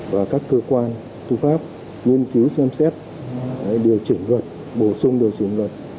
và các cơ quan thu pháp nghiên cứu xem xét điều chỉnh vật bổ sung điều chỉnh vật